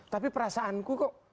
tapi perasaanku kok